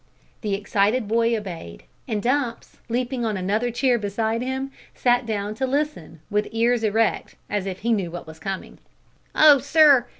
The excited boy obeyed, and Dumps, leaping on another chair beside him, sat down to listen, with ears erect, as if he knew what was coming. "Oh, sir!